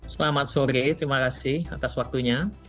selamat sore terima kasih atas waktunya